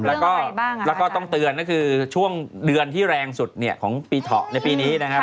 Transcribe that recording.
แล้วก็ต้องเตือนก็คือช่วงเดือนที่แรงสุดของปีเถาะในปีนี้นะครับ